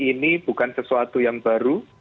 ini bukan sesuatu yang baru